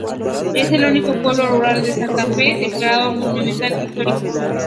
Es el único pueblo rural de Santa Fe declarado Monumento Histórico.